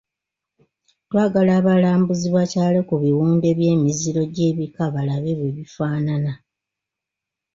Twagala abalambuzi bakyale ku biwunde by'emiziro gy'ebika balabe bwe bifaanana.